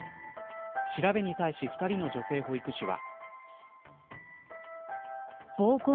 調べに対し２人の女性保育士は。